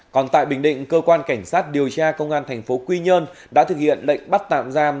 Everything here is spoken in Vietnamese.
còn tại bình định cơ quan cảnh sát điều tra công an thành phố quy nhơn đã thực hiện lệnh bắt tạm giam